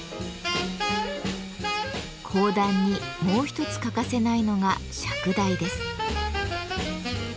講談にもう一つ欠かせないのが「釈台」です。